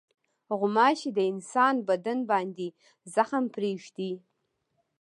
غوماشې د انسان بدن باندې زخم پرېږدي.